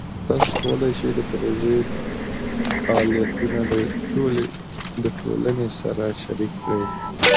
تاسو کولی شئ د پروژې فعالیتونه د ټولنې سره شریک کړئ.